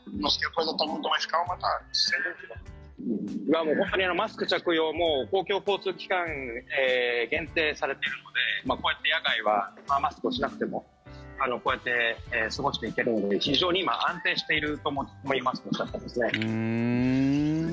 今もう、マスク着用も公共交通機関に限定されているのでこうやって野外はマスクをしなくてもこうやって過ごしていけるので非常に今、安定していると思いますとおっしゃっていますね。